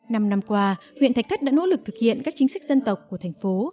năm năm qua huyện thạch thất đã nỗ lực thực hiện các chính sách dân tộc của thành phố